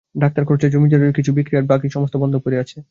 Doctor খরচায় জমিজমা কিছু বিক্রি আর বাকি সমস্ত বন্ধক পড়ে গেছে।